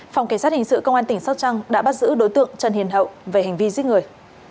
phòng cảnh sát hình sự công an tỉnh sóc trăng đã bắt giữ đối tượng trần hiền hậu về hành vi giết người